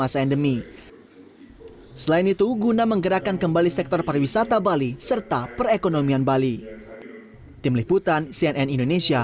selain itu guna menggerakkan kembali sektor pariwisata bali serta perekonomian bali